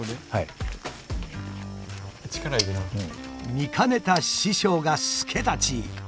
見かねた師匠が助太刀。